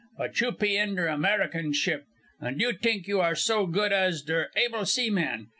But you pe in der American ship, und you t'ink you are so good as der able seamen.